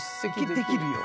できるよ？